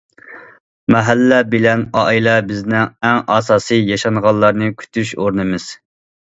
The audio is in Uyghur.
مەھەللە بىلەن ئائىلە بىزنىڭ ئەڭ ئاساسىي ياشانغانلارنى كۈتۈش ئورنىمىز.